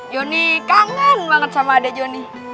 jonny kangen banget sama adik jonny